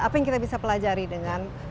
apa yang kita bisa pelajari dengan